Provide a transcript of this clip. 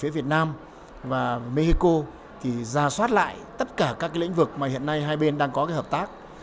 phía việt nam và mexico ra soát lại tất cả các lĩnh vực mà hiện nay hai bên đang có hợp tác